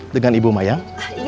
dengan ibu mayang